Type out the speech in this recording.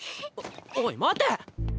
おい待て！